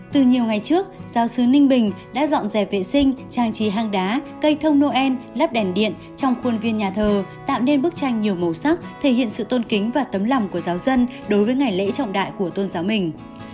từ nhiều ngày trước giáo sứ ninh bình đã dọn dẹp vệ sinh trang trí hang đá cây thông noel lắp đèn điện trong khuôn viên nhà thờ tạo nên bức tranh nhiều màu sắc thể hiện sự tôn kính và tấm lòng của giáo dân đối với ngày lễ trọng đại của tôn giáo mình